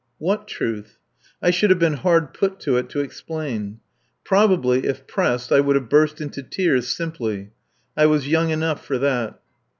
What truth? I should have been hard put to it to explain. Probably, if pressed, I would have burst into tears simply. I was young enough for that.